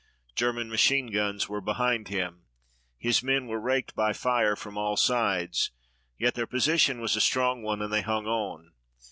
German machine guns were behind him. His men were raked by fire from all sides. Yet their position was a strong one and they hung on.